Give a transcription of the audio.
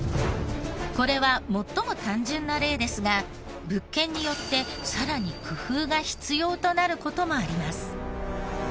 これは最も単純な例ですが物件によってさらに工夫が必要となる事もあります。